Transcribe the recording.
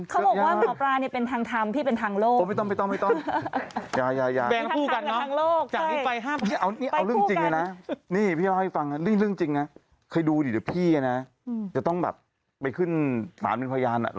ก็พอเดี๋ยวแค่นี้ก็ต้องไปเป็นพยาน